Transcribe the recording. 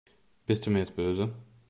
Bist du mir jetzt böse?